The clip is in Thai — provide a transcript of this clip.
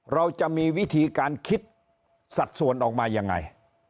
เราจะมีวิธีการคิดสัดส่วนออกมายังไง